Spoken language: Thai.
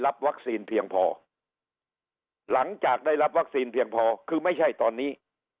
วัคซีนเพียงพอหลังจากได้รับวัคซีนเพียงพอคือไม่ใช่ตอนนี้